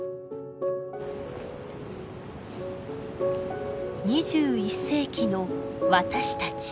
２１世紀の私たち。